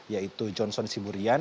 yaitu johnson siburian